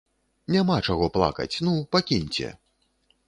Няма чаго плакаць, ну, пакіньце!